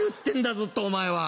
ずっとお前は。